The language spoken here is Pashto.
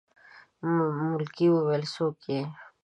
ملکې وويلې څوک يې.